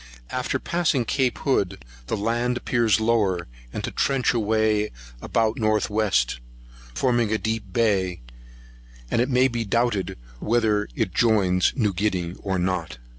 After passing Cape Hood, the land appears lower, and to trench away about north west, forming a deep bay; and it may be doubted whether it joins New Guinea or not.